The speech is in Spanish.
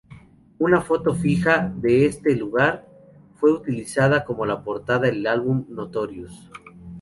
Una foto fija de este lugar fue utilizado como la portada del álbum ""Notorious"".